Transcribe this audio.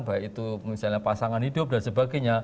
baik itu misalnya pasangan hidup dan sebagainya